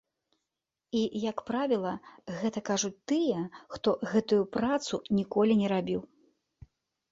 І, як правіла, гэта кажуць тыя, хто гэтую працу ніколі не рабіў.